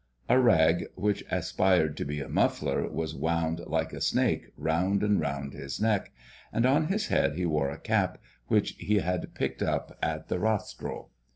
A rag which aspired to be a muffler was wound like a snake round and round his neck, and on his head he wore a cap which he had picked up at the Rastro.